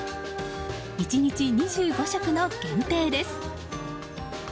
１日２５食の限定です。